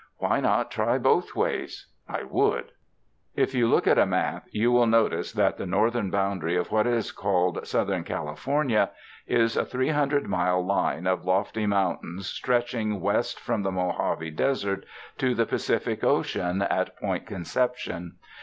Why not try both ways? I would. If you look at a map, you will notice that the north ern boundary of what is called Southern California is a three hundred mile line of lofty mountains stretch ing west from the Mojave desert to the Pacific Ocean 162 THE FRANCISCAN MISSIONS at Point Conception.